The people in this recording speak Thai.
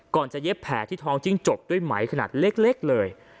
จะเย็บแผลที่ท้องจิ้งจกด้วยไหมขนาดเล็กเลย